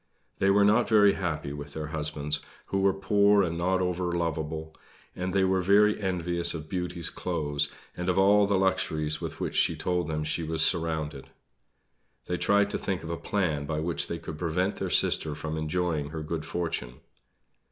They were not very happy with their husbands, who were poor and not over lovable; and they were very envious of Beauty's clothes and of all the luxuries with which she told them she was surrounded. They tried to think of a plan by which they could prevent their sister from enjoying her good fortune.